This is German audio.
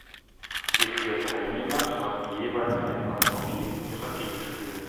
Die vier Teilnehmer trafen jeweils einmal auf jeden ihrer Gegenspiel.